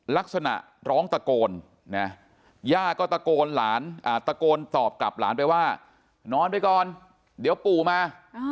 ลักษณะร้องตะโกนนะย่าก็ตะโกนหลานตะโกนตอบกับหลานไปว่านอนไปก่อนเดี๋ยวปู่มา